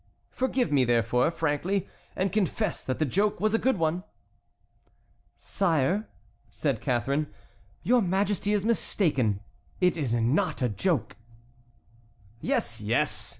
Forgive me, therefore, frankly, and confess that the joke was a good one." "Sire," said Catharine, "your Majesty is mistaken; it is not a joke." "Yes, yes!